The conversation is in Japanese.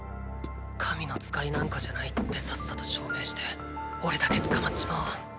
神の使いなんかじゃないってさっさと証明しておれだけ捕まっちまおう。